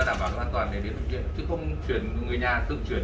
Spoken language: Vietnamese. trước đó vừa qua đại dịch thì bọn mình cũng cố gắng nhận nhiều nhất bệnh nhân